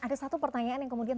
ada satu pertanyaan yang kemudian